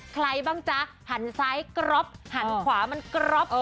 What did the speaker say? ใครบ้างจ๊ะหันซ้ายกรอบหันขวามันกรอบ